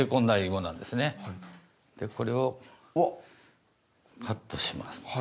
これをカットします。